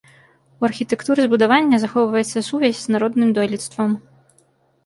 У архітэктуры збудавання захоўваецца сувязь з народным дойлідствам.